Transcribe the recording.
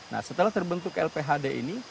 nah setelah terbentuk lphd ini